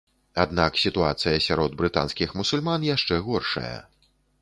Аднак сітуацыя сярод брытанскіх мусульман яшчэ горшая.